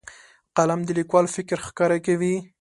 قلم د لیکوال فکر ښکاره کوي.